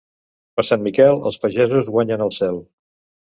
Per Sant Miquel, els pagesos guanyen el cel.